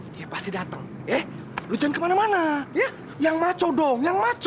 dia pasti dateng ya lo jangan kemana mana ya yang maco dong yang maco ya